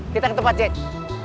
kita ke tempat cek